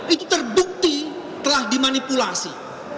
itu terbukti telah dimanipulasi